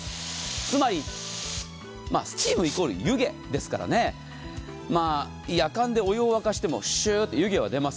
つまりスチーム、イコール湯気ですから、やかんでお湯を沸かしてもしゅーっと湯気は出ます。